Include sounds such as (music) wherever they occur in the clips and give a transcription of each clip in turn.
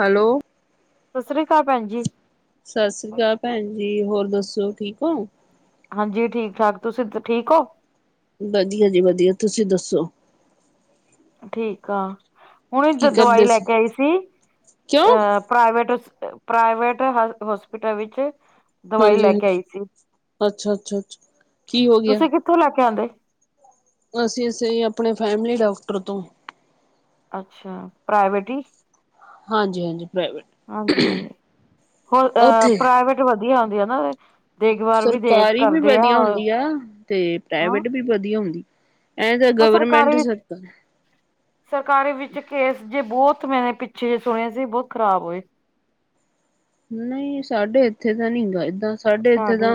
Hello ਸਤਿ ਸ੍ਰੀ ਅਕਾਲ ਭੈਣ ਜੀ। ਸਤਿ ਸ੍ਰੀ ਅਕਾਲ ਭੈਣ ਜੀ, ਹੋਰ ਦੱਸੋ ਠੀਕ ਔ? ਹਾਂਜੀ ਠੀਕ ਠਾਕ ਤੁਸੀਂ ਠੀਕ ਔ? ਵਧੀਆ ਜੀ ਵਧੀਆ, ਤੁਸੀਂ ਦੱਸੋ? ਠੀਕ ਆ, ਹੁਣੇ ਕੀ ਦਾ ਦਵਾਈ ਕਰਦੇ ਲੈ ਕੇ ਆਈ ਸੀ ਕਿਉਂ ਅਹ ਪ੍ਰਾਈਵੇਟ ਪ੍ਰਾਈਵੇਟ ਹੋਸਪਿ ਹੋਸਪਿਟਲ ਵਿੱਚ ਦਵਾਈ ਹਾਂਜੀ ਲੈ ਕੇ ਹਾਂਜੀ, ਆਈ ਸੀ, ਅੱਛਾ ਅੱਛਾ ਅੱਛਾ ਕੀ ਹੋ ਗਿਆ ਤੁਸੀਂ ਕਿੱਥੋਂ ਲੈ ਕੇ ਆਂਦੇ? ਅਸੀਂ ਅਸੀ ਆਪਣੇ ਫੈਮਲੀ ਡਾਕਟਰ ਤੋਂ ਅੱਛਾ ਪ੍ਰਾਈਵੇਟ ਈ। ਹਾਂਜੀ-ਹਾਂਜੀ ਪ੍ਰਾਈਵੇਟ ਹਾਂਜੀ, ਹੋਰ ਅ ਉੱਥੇ ਪ੍ਰਾਈਵੇਟ ਵਧੀਆ ਹੁੰਦੀ ਆ ਨਾ। ਦੇਖਭਾਲ ਵੀ ਦੇ ਸਰਕਾਰੀ ਵੀ ਕਰਦੇ ਆ ਵਧੀਆ ਹੁੰਦੀ ਆ ਤੇ ਹਾਂ ਪ੍ਰਾਈਵੇਟ ਵੀ ਵਧੀਆ ਹੁੰਦੀ। ਐਂ ਤਾਂ ਪਰ ਗਵਰਮੈਂਟ ਸਰਕਾਰੀ ਸਰਕਾਰ ਸਰਕਾਰੀ ਵਿੱਚ ਕੇਸ ਜੇ ਬਹੁਤ ਮੇਨੇ ਪਿੱਛੇ ਜੇ ਸੁਣਿਆ ਸੀ ਬਹੁਤ ਖ਼ਰਾਬ ਹੋਏ। ਨਹੀਂ ਸਾਡੇ ਇੱਥੇ ਤਾਂ ਨੀ ਗਏ ਏਦਾਂ ਸਾਡੇ ਇੱਥੇ ਤਾਂ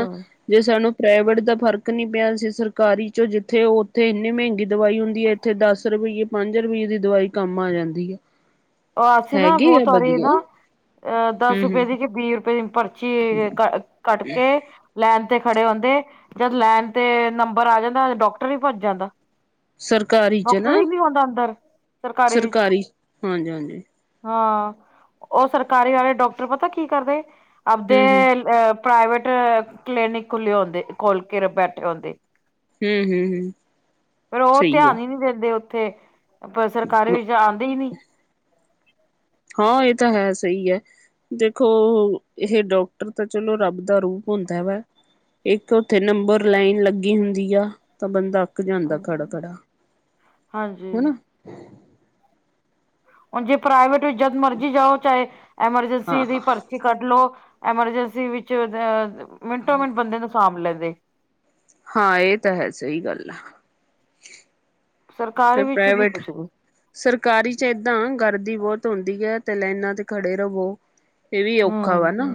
ਜੇ ਸਾਨੂੰ ਪ੍ਰਾਈਵੇਟ ਦਾ ਫ਼ਰਕ ਨੀ ਪਿਆ ਸੀ ਸਰਕਾਰੀ ਚ ਜਿੱਥੇ ਉੱਥੇ ਇੰਨੇ ਮਹਿੰਗੇ ਦਵਾਈ ਹੁੰਦੀ ਐ ਇੱਥੇ ਦਸ ਰੁਪਈਏ ਪੰਜ ਰੁਪਈਏ ਦੀ ਦਵਾਈ ਕੰਮ ਆ ਜਾਂਦੀ ਏ। ਉਹ ਅਸੀਂ ਨਾ ਬਹੁਤ ਹੋ ਰੀ ਐ ਨਾ। ਅਹ ਦਸ ਹਮ ਹਮ ਰੁਪਏ ਦੀ ਕਿ ਵੀਹ ਰੁਪਏ ਦੀ ਪਰਚੀ ਕ ਕੱਟ ਕੇ ਲੈਨ ਤੇ ਖੜੇ ਹੁੰਦੇ, ਜਦ ਲੈਣ ਤੇ ਨੰਬਰ ਆ ਜਾਂਦਾ ਡਾਕਟਰ ਹੀ ਭੱਜ ਜਾਂਦਾ। ਸਰਕਾਰੀ ਚ ਨਾ ਡਾਕਟਰ ਈ ਨੀ ਹੁੰਦਾ ਅੰਦਰ ਸਰਕਾਰੀ ਵਿਚ ਹਾਂਜੀ ਹਾਂਜੀ ਹਾਂ ਉਹ ਸਰਕਾਰੀ ਵਾਲੇ ਡਾਕਟਰ ਪਤਾ ਕੀ ਕਰਦੇ ਆਪਦੇ ਹਮ ਹਮ ਅ ਪ੍ਰਾਈਵੇਟ ਕਲੀਨਿਕ ਖੁੱਲ੍ਹੇ ਹੁੰਦੇ ਖੋਲ ਕੇ ਬੈਠੇ ਹੁੰਦੇ। ਹੂੰ ਹੂੰ ਹੂੰ ਸਹੀ ਹੈ। ਨੀ ਦਿੰਦੇ ਉੱਥੇ ਪਰ ਸਰਕਾਰੀ ਵਿੱਚ ਆਉਂਦੇ ਹੀ ਨੀ। ਹਾਂ ਇਹ ਤਾਂ ਹੈ ਸਹੀ ਹੈ। ਦੇਖੋ ਇਹ ਡਾਕਟਰ ਤਾਂ ਚਲੋ ਰੱਬ ਦਾ ਰੂਪ ਹੁੰਦਾ ਵਾ ਇੱਕ ਉੱਥੇ ਨੰਬਰ ਲਾਈਨ ਲੱਗੀ ਹੁੰਦੀ ਆ ਤਾਂ ਬੰਦਾ ਥਕ ਜਾਂਦਾ ਖੜਾ ਖੜਾ ਹਾਂਜੀ ਹਨਾ। ਹੁਣ ਜੇ ਪ੍ਰਾਈਵੇਟ ਜਦ ਮਰਜੀ ਜਾਓ ਚਾਹੇ ਹਾਂ ਐਮਰਜੈਂਸੀ ਦੀ ਹਾਂ ਭਰ ਤੁਸੀਂ ਕੱਢ ਲੋ ਐਮਰਜੈਂਸੀ ਵਿੱਚ ਅ ਮਿੰਟੋ, ਮਿੰਟ ਬੰਦੇ ਨੂੰ ਸਾਂਭ ਲੈਂਦੇ। ਹਾਂ ਇਹ ਤਾਂ ਹੈ ਸਹੀ ਗੱਲ ਆ। ਸਰਕਾਰੀ ਫਿਰ ਵਿੱਚ ਨੀ ਪ੍ਰਾਈਵੇਟ ਪੁੱਛਦੀ ਸਰਕਾਰੀ ਚ ਏਦਾਂ ਗਰਦੀ ਬਹੁਤ ਹੁੰਦੀ ਹੈ ਤੇ ਲਾਈਨਾਂ ਤੇ ਖੜੇ ਰਵੋ। ਇਹ ਵੀ ਔਖਾ ਹਮ ਵਾ ਨਾ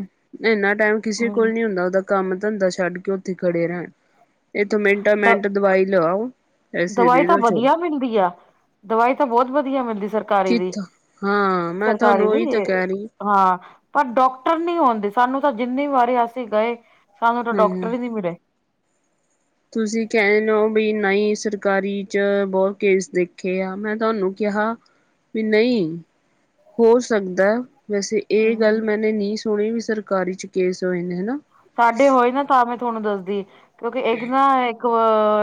ਇੰਨਾ ਟਾਈਮ ਕਿਸੇ ਹਮ ਕੋਲ ਨਹੀਂ ਹੁੰਦਾ ਉਹਦਾ ਕੰਮ ਧੰਦਾ ਛੱਡ ਕੇ ਉੱਥੇ ਖੜੇ ਰਹਿਣ ਇੱਥੋਂ ਮਿੰਟਾਂ, ਦ ਮਿੰਟ ਦਵਾਈ ਲਵਾਓ। ਦਵਾਈ ਤਾਂ ਵਧੀਆ ਮਿਲਦੀ ਆ ਦਵਾਈ ਤਾਂ ਬਹੁਤ ਵਧੀਆ ਮਿਲਦੀ ਸਰ ਸਰਕਾਰੀ ਦੀ ਕਿੱਥੋਂ ਹਾਂ ਮੈਂ ਸਰਕਾਰੀ ਤੁਹਾਨੂੰ ਦੀ ਉਹੀ ਤਾਂ ਏ। ਕਹਿ ਰਹੀ ਹਾਂ ਪਰ ਡਾਕਟਰ ਨੀ ਹੋਂਦੇ ਸਾਨੂੰ ਤਾਂ ਜਿੰਨੀ ਵਾਰੀ ਅਸੀਂ ਗਏ ਸਾਨੂੰ ਤਾਂ ਡਾਕਟਰ ਹੂੰ। ਵੀ ਨੀ ਮਿਲੇ। ਤੁਸੀਂ ਕਹਿ ਰਹੇ ਓ ਵੀ ਨਹੀਂ ਸਰਕਾਰੀ ਚ ਬਹੁਤ ਕੇਸ ਦੇਖੇ ਆ ਮੈਂ ਤੁਹਾਨੂੰ ਕਿਹਾ ਵੀ ਨਹੀਂ ਹੋ ਸਕਦਾ- ਵੈਸੇ ਇਹ ਗੱਲ ਮੈਨੇ ਨਹੀਂ ਸੁਣੀ ਵੀ ਸਰਕਾਰੀ ਚ ਕੇਸ ਹੋਏ ਨੇ ਹਨਾ। ਸਾਡੇ ਹੋਏ ਨਾ ਤਾਂ ਮੈਂ ਤੁਹਾਨੂੰ ਦੱਸਦੀ ਕਿਉਂਕਿ ਇੱਕ ਨਾ ਇੱਕ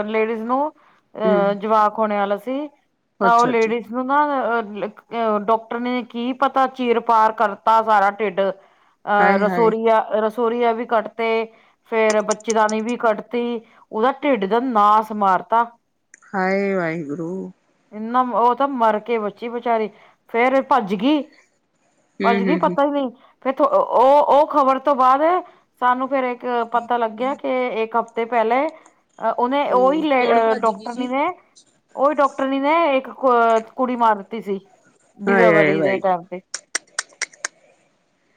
ਲੇਡੀਜ਼ ਨੂੰ ਅਹ ਹਮ ਜਵਾਕ ਹੋਣੇ ਵਾਲਾ ਸੀ ਤਾਂ ਉਹ ਅੱਛਾ ਅੱਛਾ ਲੇਡੀਜ਼ ਨੂੰ ਨਾ ਡਾਕਟਰ ਨੇ ਕੀ ਪਤਾ ਚੀਰ ਪਾਰ ਕਰਤਾ ਸਾਰਾ ਢਿੱਡ ਅਹ ਹਾਏ ਹਾਏ ਰਸੋਰੀਆਂ, ਰਸੋਰੀਆਂ ਵੀ ਕੱਟ ਤੇ ਫੇਰ ਬੱਚੇ ਦਾਨੀ ਵੀ ਕੱਢਤੀ ਉਹਦਾ ਢਿੱਡ ਦਾ ਨਾਸ ਮਾਰਤਾ। ਹਾਏ ਵਾਹਿਗੁਰੂ। ਇਨਾ ਉਹ ਤਾਂ ਮਰ ਕੇ ਬੱਚੀ ਬਚਾਰੀ ਫੇਰ ਭੱਜ ਗਈ। ਹਮ ਭੱਜਗੀ ਹਮ ਹਮ ਪਤਾ ਹੀ ਨਹੀਂ ਫਿਰ ਉਹ, ਉਹ ਖ਼ਬਰ ਤੋਂ ਬਾਅਦ ਸਾਨੂੰ ਫੇਰ ਤ ਅ ਪਤਾ ਲੱਗਿਆ ਕਿ ਇੱਕ ਹਫ਼ਤੇ ਪਹਿਲੇ ਉਹਨੇ ਉਹੀ ਹਮ ਲ ਕੌਣ ਭੱਜ ਗਈ ਜੀ ਡਾਕਟਰਨੀ ਨੇ ਉਹੀ ਡਾਕਟਰਨੀ ਨੇ ਇੱਕ ਕੁੜੀ ਮਾਰ ਦਿੱਤੀ ਸੀ ਹਾਏ ਹਾਏ ਡਿਲਵਰੀ ਦੇ ਵਾਹਿਗੁਰੂ ਟਾਈਮ ਤੇ।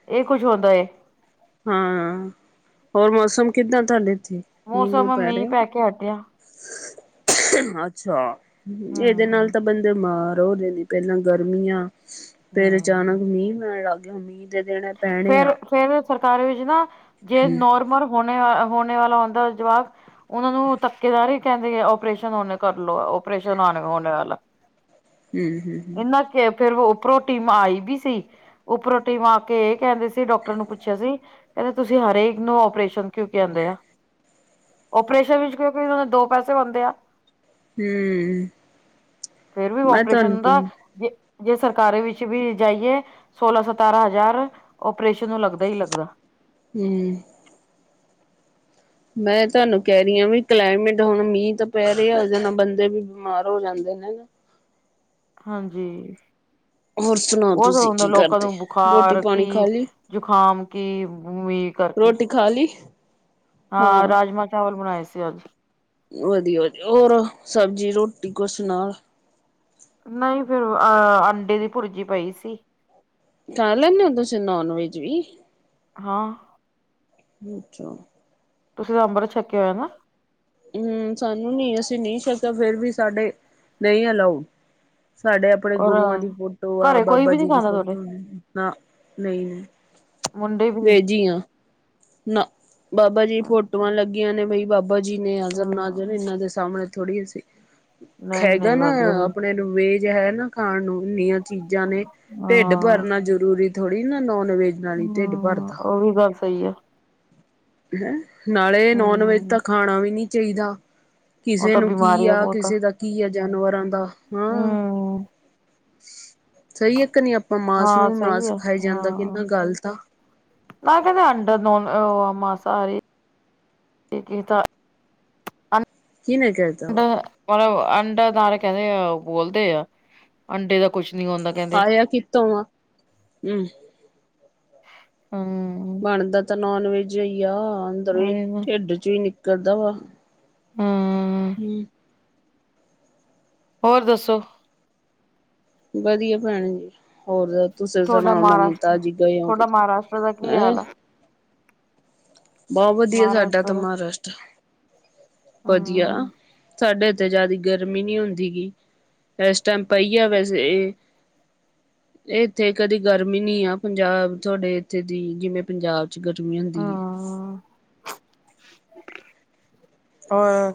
ਇਹ ਕੁੱਝ ਹੁੰਦਾ ਏ। ਹਮ ਹੋਰ ਮੌਸਮ ਕਿੱਦਾਂ ਤੁਹਾਡੇ ਇੱਥੇ? ਮੀਂਹ ਮੂੰਹ ਮੌਸਮ ਮੀਂਹ ਪੈ ਰਿਹਾ ਕੇ ਹਟਿਆ। ਅੱਛਾ ਜਿਹਦੇ ਨਾਲ ਹੂੰ ਤਾਂ ਬੰਦੇ ਬੀਮਾਰ ਹੋ ਜਾਂਦੇ। ਪਹਿਲਾਂ ਗਰਮੀਆਂ ਫੇਰ ਹੂੰ ਅਚਾਨਕ ਮੀਂਹ ਪੈਣ ਲੱਗ ਗਿਆ ਮੀਂਹ ਦੇ ਦਿਨ ਫੇਰ ਫੇਰ ਸਰਕਾਰੀ ਵਿੱਚ ਨਾ ਜੇ ਨੋਰਮਲ ਹੋਣੇ, ਹੋਣੇ ਵਾਲਾ ਹੁੰਦਾ ਜਵਾਕ ਉਹਨਾਂ ਨੂੰ ਧੱਕੇ ਨਾਲ ਹੀ ਕਹਿੰਦੇ ਆ ਓਪਰੇਸ਼ਨ ਹੁਨੇ ਕਰ ਲਓ ਓਪਰੇਸ਼ਨ ਹੋਣੇ ਵਾਲਾ। ਹਮ ਹਮ ਇਹਨਾਂ ਫੇਰ ਫੇਰ ਉਪਰੋਂ ਟੀਮ ਆਈ ਵੀ ਸੀ। ਉਪਰੋ ਟੀਮ ਆ ਕੇ ਇਹ ਕਹਿੰਦੇ ਸੀ, ਡਾਕਟਰ ਨੂੰ ਪੁੱਛਿਆ ਸੀ, ਕਹਿੰਦੇ ਤੁਸੀਂ ਹਰੇਕ ਨੂੰ ਉਪਓਰੇਸ਼ਨ ਕਿਉਂਕਿ ਕਹਿੰਦੇ ਆ, ਓਪਰੇਸ਼ਨ ਵਿੱਚ ਕਿਉਂਕਿ ਉਹ ਦੋ ਪੈਸੇ ਬਣਦੇ ਆ ਹਮ ਫੇਰ ਵੀ ਮੈਂ ਤਾਂ ਨ ਓਪਰੇਸ਼ਨ ਤ ਦਾ ਜੇ ਜੇ ਸਰਕਾਰਾਂ ਵਿੱਚ ਵੀ ਜਾਈਏ। ਸੋਲਾਂ, ਸਤਾਰਾਂ, ਹਜ਼ਾਰ ਓਪਰੇਸ਼ਨ ਨੂੰ ਲੱਗਦਾ ਹੀ ਲੱਗਦਾ। ਹਮ ਮੈਂ ਤੁਹਾਨੂੰ ਕਹਿ ਰਹੀ ਹਾਂ, ਵੀ ਕਲਾਈਮੇਟ ਹੁਣ ਮੀਂਹ ਤਾਂ ਪੈ ਰਿਹਾ, ਉਹਦੇ ਨਾਲ ਬੰਦੇ ਵੀ ਬਿਮਾਰ ਹੋ ਜਾਂਦੇ ਨੇ ਹਾਂਜੀ ਹੋਰ ਸੁਣਾਓ ਬਹੁਤ ਤੁਸੀਂ ਹੁੰਦਾ, ਕੀ ਲੋਕਾਂ ਕਰਦੇ ਨੂੰ ਰੋਟੀ ਬੁਖਾਰ ਪਾਣੀ ਖਾ ਕੀ, ਲਈ ਜੁਕਾਮ ਕੀ ਮੀਂ ਕਰਕੇ ਖਾਲੀ ਹਾਂ, ਰਾਜਮਾਂ -ਚਾਵਲ ਬਣਾਏ ਸੀ ਅੱਜ ਵਧੀਆ ਵਧੀਆ ਹੋਰ ਸਬਜ਼ੀ ਰੋਟੀ ਕੁਛ ਨਾਲ ਨਹੀਂ ਫੇਰ, ਅਹ ਅੰਡੇ ਦੀ ਭੁਰਜੀ ਪਈ ਸੀ। ਖਾ ਲੈਂਦੇ ਓ, ਤੁਸੀਂ ਨੋਨ ਵੈਜ ਵੀ ਹਾਂ ਅੱਛਾ ਤੁਸੀਂ ਅੰਬਰ ਛੱਕਿਆ ਹੋਇਆ ਨਾ ਹਮ, ਸਾਨੂੰ ਨੀ ਅਸੀਂ ਨਹੀਂ ਛੱਕਿਆ, ਫੇਰ ਵੀ ਸਾਡੇ ਨਹੀਂ ਅਲਾਓ ਸਾਡੇ ਆਪਣੇ ਔਰ ਗੁਰੂਆਂ ਦੀ ਫੋਟੋ ਆ, ਘਰੇ ਕੋਈ ਬਾਬਾ ਵੀ ਨੀ ਜੀ ਦੀ ਖਾਂਦਾ ਤੁਹਾਡੇ ਫੋਟੋ ਹੀ ਨਾ, ਨਹੀ ਨਹੀ ਮੁੰਡੇ ਵੀ ਨੀ ਨਾ ਬਾਬਾ ਜੀ, ਫੋਟੋਆਂ ਲੱਗੀਆਂ ਨੇ ਬਈ ਬਾਬਾ ਬਜੀ ਨੇ ਹਾਜ਼ਰ ਨਾਜ਼ਰ ਹਾਂ ਇਹਨਾਂ ਦੇ ਸਾਹਮਣੇ ਥੋੜ੍ਹੀਸੀ, ਨਹੀਂ ਹੈਗਾ ਨਹੀਂ ਨਾ ਵਧੀਆ ਨੀ ਆਪਣੇ ਵੈਜ ਹੈ ਨਾ ਖਾਣ ਨੂੰ, ਇੰਨੀਆਂ ਚੀਜ਼ਾਂ ਨੇ, ਢਿੱਡ ਹਾਂ ਭਰਨਾ ਜ਼ਰੂਰੀ ਥੋੜੀ ਨਾ, ਨੋਨ ਵੈਜ ਨਾਲ ਹੀ ਢਿੱਡ ਹਮ ਭਰਦਾ ਉਹ ਵੀ ਗੱਲ ਸਹੀ ਹੈ ਹੈਂ ਨਾਲੇ ਨੋਨ ਵੈਜ ਤਾਂ, ਹਮ ਖਾਣਾ ਵੀ ਨਹੀ ਚਾਹੀਦਾ। ਉਹ ਕਿਸੇ ਤਾਂ ਨੂੰ ਕੀ ਬਿਮਾਰੀ ਹੈ ਆ ਬਹੁਤ ਹਮ ਕਿਸੇ ਦਾ ਕੀ ਆ ਜਾਨਵਰਾਂ ਦਾ, ਹਾਂ ਸ ਸਹੀ ਇੱਕ ਨੀ ਆਪ ਹੁਣ ਮਾਸ ਹਾਂ ਨੂੰ ਸਹੀ ਮਾਸ ਹੈ ਖਾਈ ਜਾਂਦਾ ਹਾਂ ਕਿੰਨਾ ਗਲਤ ਆ ਨਾ ਕਹਿੰਦੇ, ਅੰਡਰ ਨੋਨ ਉਹ ਮਾਸਾਹਾਰੀ ਕੀਤਾ। ਕੀਨੇ ਕਹੀ ਅੰਡਾ ਮਤਲਬ ਅੰਡਾਦਾਰ ਕਹਿੰਦੇ ਆ, ਬੋਲਦੇ ਆ, ਅੰਡੇ ਦਾ ਕੁਛ ਨੀ ਹੁੰਦਾ। ਕਹਿੰਦੇ ਸਾਲਿਆ ਕਿੱਥੋਂ ਆਵਾ ਹਮ ਹਮ ਆਉਂਦਾ ਤਾਂ, ਨੋਨ ਵੈਜ ਹੀ ਆ, ਅੰਦਰੋਂ ਉਹੀ ਨਾ। ਢਿੱਡ 'ਚ ਵੀ ਨਿਕਲਦਾ ਵਾ ਹਮ ਹਮ ਹੋਰ ਦੱਸੋ ਵਧੀਆ ਭੈਣ ਜੀ। ਹੋਰ ਦੱਸੋ ਤੁਸੀਂ ਤੁਹਾਡਾ ਸੁਣਾਓ, ਨਮੀ ਮਹਾਰਾਸ਼ਟਰ ਤਾਜ਼ੀ ਗਏ ਹੋ ਤੁਹਾਡਾ ਮਹਾਰਾਸ਼ਟਰ ਦਾ ਕੀ ਕਿਧਰੇ ਹਾਲ ਹੈਂ। ਆ ਬਹੁਤ ਵਧੀਆ, ਸਾਡਾ ਮਹਾਰਾਸ਼ਟਰ ਤਾਂ ਦਾ ਮਹਾਰਾਸ਼ਟਰ ਵਧੀਆ ਹਮ ਸਾਡੇ ਤੇ ਜਿਆਦਾ ਗਰਮੀ ਨਹੀਂ ਹੁੰਦੀ ਗੀ, ਇਸ ਟਾਈਮ ਪਹੀਆ ਵੈਸੇ ਇੱਥੇ ਕਦੀ ਗਰਮੀ ਨਹੀਂ ਆ, ਪੰਜਾਬ ਤੁਹਾਡੇ ਇੱਥੇ ਦੀ, ਜਿਵੇਂ ਪੰਜਾਬ 'ਚ ਗਰਮੀ ਹੁੰਦੀ ਏ। ਹਾਂ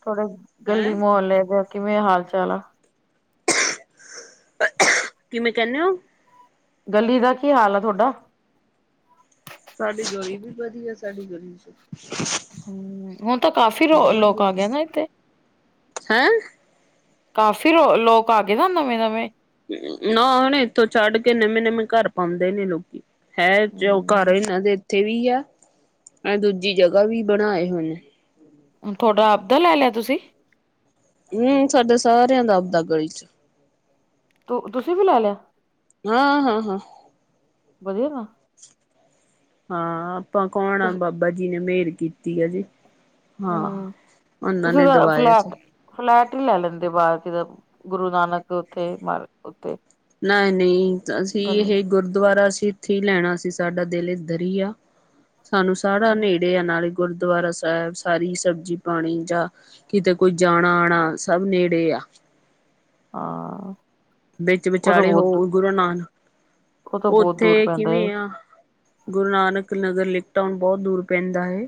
ਥੋੜੇ ਗਲੀ ਹੈਂ ਮਹੱਲੇ ਦੇ। ਕਿਵੇਂ ਹਾਲ ਚਾਲ ਆਲਾ ਕਿਵੇਂ ਕਹਿੰਨੇ ਹੋ ਗਲੀ ਦਾ ਕੀ ਹਾਲ ਤੁਹਾਡਾ ਸਾਡੀ ਗਲੀ ਵੀ ਵਧੀਆ, ਸਾਡੀ ਗਲੀ ਚ ਹੂ ਹੁਣ ਤਾਂ, ਕਾਫ਼ੀ ਬਹੁਤ ਲੋਕ ਵਧੀਆ ਆ ਗਏ ਨਾ ਇੱਥੇ ਹੈਂ, ਕਾਫ਼ੀ ਰ ਲੋਕ, ਆ ਗਏ ਨਾ ਨਵੇਂ- ਨਵੇਂ ਨਾ ਹੁਣ ਇੱਥੋਂ ਛੱਡ ਕੇ, ਨਵੇਂ- ਨਵੇਂ ਘਰ ਪਾਉਂਦੇ ਨੇ ਲੋਕੀ, ਹੈ ਉਹ ਘਰ ਅ ਹਮ ਤਦ ਇੱਥੇ ਵੀ ਆ ਅਹ, ਦੂਜੀ ਜਗ੍ਹਾ ਵੀ ਬਣਾਏ ਹੋਏ ਨੇ, ਤੁਹਾਡਾ ਆਪਦਾ, ਲੈ ਲਿਆ ਤੁਸੀਂ? ਨਹੀ ਸਾਡੇ ਸਾਰਿਆਂ ਦਾ, ਆਪਦਾ ਗਲੀ ਚ ਤੂੰ ਤੁਸੀਂ ਵੀ ਲੈ ਲਿਆ, ਹਾਂ ਹਾਂ ਹਾਂ ਮਜੇ ਤਾਂ ਹਾਂ, ਆਪਾਂ ਕੌਣ ਆ ਬਾਬਾ ਜੀ ਨੇ, ਮੇਹਰ ਕੀਤੀ ਆ ਜੀ। ਹਾਂ ਹੂ ਉਹਨਾਂ ਨੇ ਦਵਾਇਆ ਸੀ ਫਲੈ-ਫਲੈਟ ਫਲੈਟ ਹੀ ਲੈ ਲੈਂਦੇ, ਬਾਹਰ ਕਿਤੇ ਗੁਰੂ ਨਾਨਕ ਉੱਥੇ ਮ ਉੱਥੇ ਨਹੀ -ਨਹੀਂ ਅਸੀਂ ਹਾਂ ਇਹ ਗੁਰਦੁਆਰਾ ਸੀ। ਉੱਥੇ ਹੀ ਲੈਣਾ ਸੀ। ਸਾਡਾ ਦਿਲ ਇੱਧਰ ਹੀ ਆ, ਸਾਨੂੰ ਸਾਰਾ ਨੇੜੇ ਆ ਨਾਲੇ ਗੁਰਦੁਆਰਾ ਸਾਹਿਬ, ਸਾਰੀ ਸਬਜ਼ੀ, ਪਾਣੀ ਜਾਂ ਕਿਤੇ ਕੋਈ, ਜਾਣਾ -ਆਉਣਾ ਸਭ ਨੇੜੇ ਆ ਆ ਵਿੱਚ ਵਿਚਾਲੇ ਹੋ, ਗੁਰੂ ਨਾਨਕ ਉਹ ਤਾਂ ਬਹੁਤ ਦੂਰ ਉੱਥੇ ਪੈਂਦਾ ਹੈ ਕਿਵੇਂ ਆ ਗੁਰੂ ਨਾਨਕ ਨਗਰ ਲੀਤਾ ਏ, ਹੁਣ ਬਹੁਤ ਦੂਰ, ਪੈਂਦਾ ਹੈ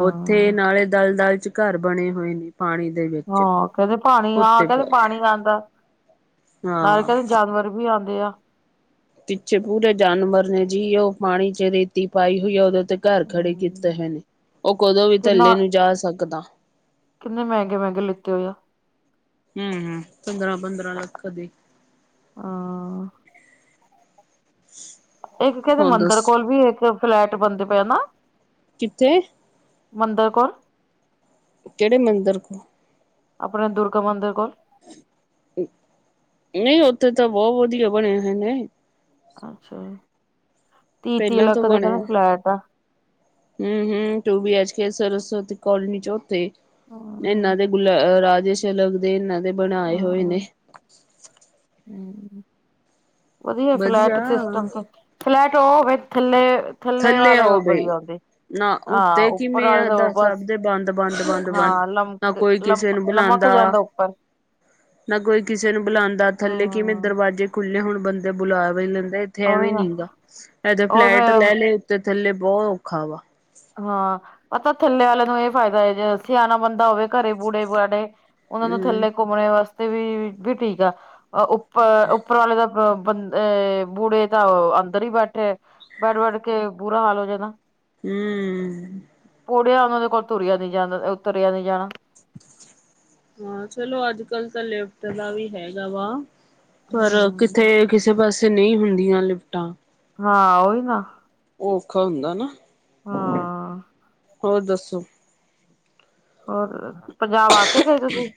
ਉੱਥੇ ਨਾਲੇ, ਦਲ -ਦਲ ਚ ਘਰ ਬਣੇ ਹੋਏ ਨੇ ਪਾਣੀ ਦੇ ਵੇ ਹਾਂ, ਕਹਿੰਦੇ ਪਾਣੀ ਹਾਂ, ਕਹਿੰਦੇ ਪਾਣੀ ਆਦਾ ਨਾਲ ਹਾਂ ਕਹਿੰਦੇ, ਜਾਨਵਰ ਵੀ ਆਉਂਦੇ ਆ ਪਿੱਛੇ ਪੂਰੇ ਜਾਨਵਰ ਨੇ ਜੀ, ਉਹ ਪਾਣੀ ਚ ਰੇਤੀ ਪਾਈ, ਹੋਈ ਹੈ ਉਦੋਂ ਤੇ ਘਰ ਖੜੇ ਹਮ ਕੀਤੇ ਹੈ ਨੇ, ਉਹ ਕਦੋਂ ਵੀ, ਕਿੰਨਾ ਥੱਲੇ ਨੂੰ ਜਾ ਸਕਦਾ ਕਿੰਨੇ, ਮਹਿੰਗੇ -ਮਹਿੰਗੇ ਲਿੱਤੇ ਹੋਏ ਆ ਹਮ-ਹਮ ਪੰਦਰਾ- ਪੰਦਰਾਾਂ ਲੱਖ ਦੇ ਆਂ ਇੱਕ ਕਹਿੰਦੇ ਹੁਣ ਮੰਦਿਰ ਦੱਸ ਕੋਲ ਵੀ, ਇੱਕ ਫਲੈਟ ਬਣਦੇ ਪਏ ਨਾ ਕਿੱਥੇ ਮੰਦਰ ਕੌਲ, ਕਿਹੜੇ, ਮੰਦਿਰ ਕੋ? ਆਪਣਾ ਦੁਰਗਾ ਮੰਦਿਰ, ਕੋਲ ਨਹੀਂ ਉੱਥੇ ਤਾਂ ਬਹੁ, ਵਧੀਆ ਬਣੇ ਹੋਏ ਨੇ ਅੱਛਾ, ਤੀਹ- ਤੀਹ ਲੱਖ ਦਾ ਕਹਿੰਦੇ ਫਲੈਟ ਆ ਹਮ -ਹਮ two B H K Saraswati colony, ਉਥੇ ਹਮ ਇਹਨਾਂ ਦੇ ਗੁਲਾ ਰਾਜੇ ਸ਼ਲਮ ਦੇ, ਇਹਨਾਂ ਦੇ ਬਣਾਏ ਹੋਏ ਹਾਂ ਨੇ ਵਧੀਆ, ਫਲੈਟ ਸਿਸਟਮ ਤੇ ਫਲੈਟ ਉਹ ਹੋਵੇ, ਥੱਲੇ -ਥੱਲੇ ਵਾਲੇ ਆਓ ਬਈ ਵਧੀਆ ਹੁੰਦੇ ਨਾ ਹਾਂ, ਉੱਤੇ ਉੱਪਰ ਕਿਵੇਂ ਵਾਲੇ ਆ ਤੋਂ ਦਾ ਸਭ ਬਸ, ਦੇ ਬੰਦ-ਬੰਦ-ਬੰਦ-ਬੰਦ ਹਾਂ ਨਾ ਲਮਕ ਕੋਈ ਲ ਕਿਸੇ ਨੂੰ ਲਮਕ ਬੁਲਾਂਦਾ ਜਾਂਦਾ ਪਰ ਨਾ ਕੋਈ ਕਿਸੇ ਨੂੰ ਬੁਲਾਉਂਦਾ, ਥੱਲੇ ਕਿਵੇਂ ਹਾਂ ਦਰਵਾਜ਼ੇ ਖੁੱਲੇ, ਹੁਣ ਬੰਦੇ ਬੁਲਾ ਵੀ ਲੈਂਦੇ ਇਥੇ ਉਹੀ ਐਵੇਂ ਨਾ ਨਈਂ ਗਾ, ਐ ਤੇ ਔਰ ਮੈਂ ਫਲੈਟ ਲੈ ਲਏ ਉੱਤੇ- ਥੱਲੇ ਬਹੁਤ ਔਖਾ ਵਾ ਹਾਂ ਪਤਾ, ਥੱਲੇ ਵਾਲਿਆਂ ਨੂੰ ਇਹ ਫਾਇਦਾ ਹੈ ਜੇ, ਸਿਆਣਾ ਬੰਦਾ ਹੋਵੇ ਘਰੇ ਬੂਟੇ ਬਾਟੇ ਉਹਨਾਂ ਦਾ ਹੂੰ-ਹੂੰ ਥੱਲੇ ਘੁੰਮਣੇ ਵਾਸਤੇ ਵੀ -ਵੀ ਠੀਕ ਆ, ਉੱਪਰ -ਉੱਪਰ ਵਾਲੇ ਦਾ ਬੰਦੇ ਬੂੜੇ ਤਾਂ, ਅੰਦਰ ਹੀ ਬੈਠੇ, ਬੈਠ -ਬੈਠ ਕੇ ਬੁਰਾ ਹਾਲ ਹੋ ਜਾਏਗਾ ਹੂੰ! ਕੁੜਿਆ ਉਹਨਾਂ ਦੇ ਕੋਲ ਤੁਰਿਆ ਨੀ ਜਾਂਦਾ ਤੁਰਿਆ ਨਹੀਂ ਜਾਣਾ। ਹਾਂ! ਚਲੋ ਅੱਜ- ਕੱਲ ਤਾਂ ਲਿਫਟ ਦਾ ਵੀ ਹੈਗਾ ਵਾ ਪਰ। ਹਮ ਕਿਥੇ ਕਿਸੇ ਪਾਸੇ ਨਹੀਂ ਹੁੰਦੀਆਂ ਲਿਫਟਾਂ। ਹਾਂ! ਓਹੀ ਨਾ। ਉਹ ਔਖਾ ਹੁੰਦਾ ਨਾ ਹਾਂ ਹੋਰ ਦੱਸੋ। ਹੋਰ ਪੰਜਾਬ ਆ ਕੇ ਗਏ ਤੁਸੀਂ?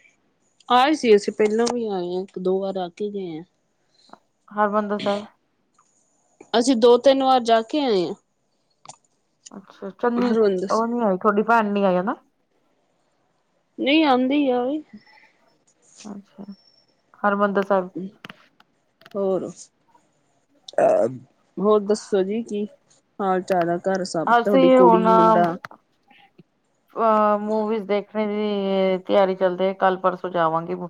ਆਏ ਸੀ ਅਸੀਂ, ਪਹਿਲਾਂ ਵੀ ਆਏ ਹਾ, ਇੱਕ- ਦੋ ਵਾਰ ਆ ਕੇ ਗਏ ਹਾਂ ਹਰਿਮੰਦਰ ਸਾਹਿਬ ਅਸੀਂ ਦੋ- ਤਿੰਨ ਵਾਰ ਜਾ ਕੇ ਆਏ ਹਾਂ ਅੱਛਾ! ਚੰਨੀ ਹਰਿਮੰਦਰ ਉਹ ਸਾਹਿਬ। ਨੀ ਆਈ ਤੁਹਾਡੀ ਪੈਣ ਨੀ ਆਈ ਹਨਾ ਨਹੀਂ ਆਂਦੀ ਹੈ ਔਵੀ ਅੱਛਾ! ਹਰਿਮੰਦਰ ਸਾਹਿਬ ਹੋਰ ਅ ਹੋਰ ਦੱਸੋ ਜੀ ਕੀ ਹਾਲ ਚਾਲ ਹੈ ਘਰ ਸਭ ਤੁਹਾਡੀ ਅਸੀਂ ਹੁਣ ਕੁੜੀ- ਮੁੰਡਾ ਅ ਮੂਵੀਜ਼ ਦੇਖਣ ਦੀ ਤਿਆਰੀ ਚੱਲਦੇ, ਕੱਲ ਪਰਸੋਂ ਜਾਵਾਂਗੇ, ਹੁਣ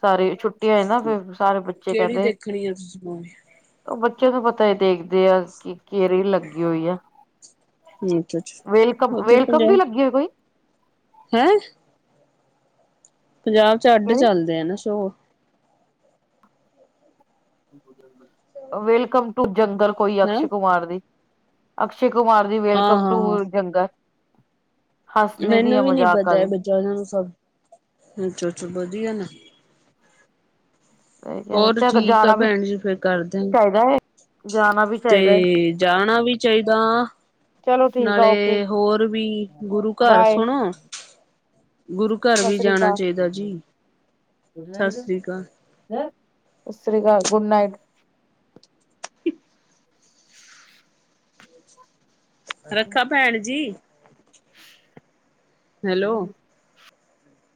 ਸਾਰੀ ਛੁੱਟੀ ਛੁਟੀ ਹੋਏ ਨਾ ਫਿਰ ਸਾਰੇ ਬੱਚੇ ਕਿਹੜੀ ਕਹਿੰਦੇ ਦੇਖਣੀ ਆ ਤੁਸੀਂ ਮੂਵੀ ਉਹ ਬੱਚਾ ਤਾਂ ਪਤਾ ਹੀ ਦੇਖਦੇ ਆ ਕਿ ਕਿ ਕੇਰੀ ਲੱਗੀ ਹੋਈ ਆ ਅੱਛਾ ਅੱਛਾ ਵੇਲਕਮ- ਉਧਰ ਵੇਲਕਮ ਵੀ ਪੰਜਾਬ ਲੱਗੀ ਹੈ ਕੋਈ ਹੈਂ ਪੰਜਾਬ 'ਚ ਅੱਡ ਕਿਹੜੀ ਚੱਲਦੇ ਆ ਨਾ ਸ਼ੋ ਵੇਲਕਮ ਟੂ ਜੰਗਲ ਕੋਈ, ਹੈਂ ਅਕਸ਼ੇ ਕੁਮਾਰ ਦੀ ਅਕਸ਼ੇ ਕੁਮਾਰ ਹਾਂ ਵੈਲਕਮ ਟੂ ਹਾਂ ਹਾਂ ਜੰਗਲ ਹੱਸਣੇ ਦੀ ਮੈਨੂੰ ਆ ਵੀ ਨੀ ਮਜ਼ਾਕਾਂ ਪਤਾ ਹੈ ਦੀ ਬੱਚਾ ਉਹਨਾਂ ਨੂੰ ਸਭ ਅੱਛਾ ਅੱਛਾ ਵਧੀਆ ਨਾ ਹੋਰ ਠੀਕ ਆ ਜਾਣਾ ਵੀ ਪੈਣ ਜੀ ਫੇਰ ਕਰਦੇ ਆ। ਚਾਹੀਦਾ ਹੈ ਜਾਣਾ ਵੀ ਤੇ ਚਾਹੀਦਾ ਹੈ ਜਾਣਾ ਵੀ ਚਾਹੀਦਾ ਚਲੋ ਠੀਕ ਆ ਓਕੇ ਨਾਲੇ ਹੋਰ ਵੀ, ਗੁਰੂ ਘਰ ਬਾਏ ਸੁਣੋ, ਸਤਿ ਗੁਰੂ ਘਰ ਵੀ ਸ੍ਰੀ ਜਾਣਾ ਚਾਹੀਦਾ ਅਕਾਲ ਜੀ, ਸਤਿ ਸ੍ਰੀ ਅਕਾਲ ਸਸ੍ਰ੍ਰੀ -ਕਾਲ ਗ ਗੁੱਡ ਨਾਈਟ (unintelligible) ਕਰ ਰੱਖਾ ਪੈਣ ਜੀ ਹੈਲੋ ਦੋ